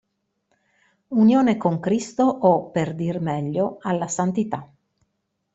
Unione con Cristo o, per dir meglio, alla santità.